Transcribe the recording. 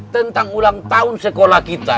tentang ulang tahun sekolah kita